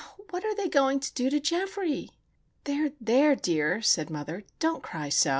Oh, what are they going to do to Geoffrey!" "There! there, dear!" said mother. "Don't cry so.